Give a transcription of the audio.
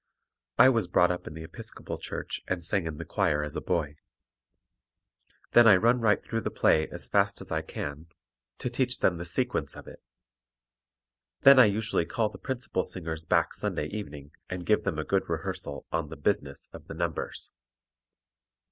(I was brought up in the Episcopal Church and sang in the choir as a boy.) Then I run right through the play as fast as I can, to teach them the sequence of it. Then I usually call the principal singers back Sunday evening and give them a good rehearsal on the "business" of the numbers.